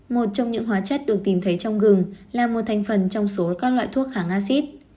một trong những hóa chất được tìm thấy trong gừng là một thành phần trong số các loại thuốc kháng acid